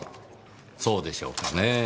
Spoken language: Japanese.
そうでしょうかねぇ。